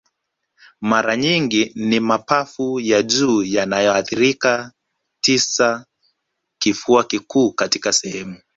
Mara nyingi ni mapafu ya juu yanayoathirika tisa Kifua kikuu katika sehemu